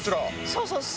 そうそう。